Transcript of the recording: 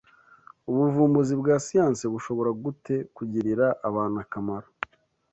Ubuvumbuzi bwa siyansi bushobora gute kugirira abantu akamaro